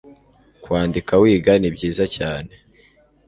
Kwandika wiga nibyiza cyane